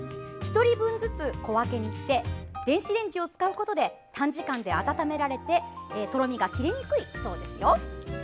１人分ずつ小分けにして電子レンジを使うことで短時間で温められてとろみがきれにくいそうです。